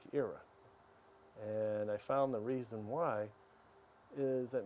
dan saya menemukan alasan mengapa